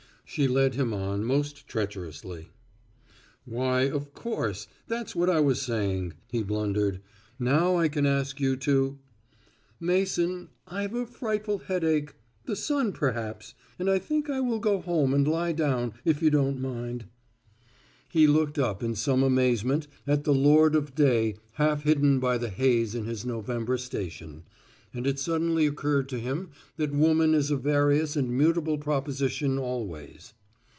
she led him on most treacherously. "Why, of course that's what I was saying," he blundered. "Now I can ask you to " "Mason, I've a frightful headache, the sun perhaps and I think I will go home and lie down, if you don't mind." He looked up in some amazement at the lord of day half hidden by the haze in his November station, and it suddenly occurred to him that woman is a various and mutable proposition always.